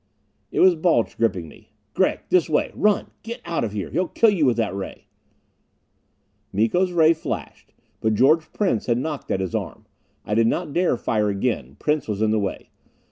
It was Balch gripping me. "Gregg! This way run! Get out of here! He'll kill you with that ray " Miko's ray flashed, but George Prince had knocked at his arm. I did not dare fire again. Prince was in the way.